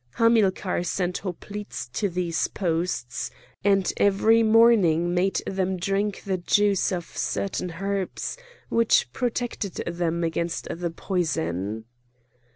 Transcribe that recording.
Hamilcar sent hoplites to these posts, and every morning made them drink the juice of certain herbs which protected them against the poison.